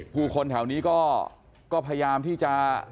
ผู้คนแถวนี้ก็พยายามที่จะ